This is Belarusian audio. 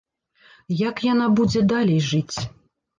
Як яна будзе далей жыць?